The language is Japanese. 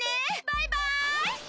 バイバイ！